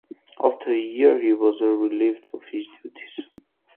After a year, he was relieved of his duties.